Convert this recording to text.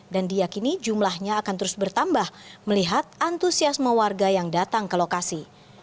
dan diyakini jumlahnya akan terus bertambah melihat antusiasme warga yang datang ke lokasi